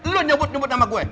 lo nyembut nyembut nama gue